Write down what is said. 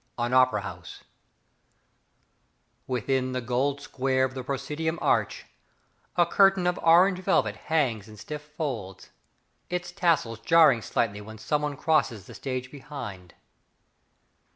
III An Opera House Within the gold square of the proscenium arch, A curtain of orange velvet hangs in stiff folds, Its tassels jarring slightly when someone crosses the stage behind.